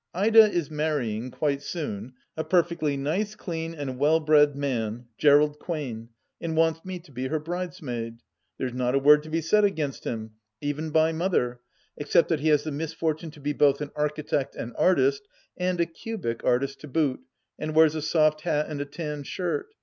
Ida is marrying, quite soon, a perfectly nice clean and well bred man, Gerald Quain, and wants me to be her brides maid. There is not a word to be said against him, even by Mother, except that he has the misfortune to be both an architect and artist, and a Cubic artist to boot, and wears a soft hat and a tan shirt.